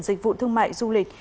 dịch vụ thương mại du lịch